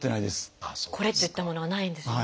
これといったものがないんですね。